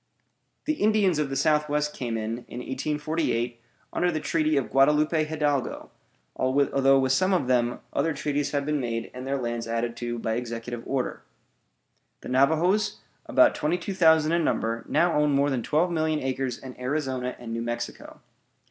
The Indians of the Southwest came in, in 1848, under the treaty of Guadalupe Hidalgo, although with some of them other treaties have been made and their lands added to by executive order. The Navajoes, about twenty two thousand in number, now own more than twelve million acres in Arizona and New Mexico.